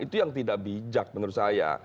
itu yang tidak bijak menurut saya